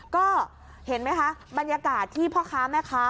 ก็เห็นไหมคะบรรยากาศที่พ่อค้าแม่ค้า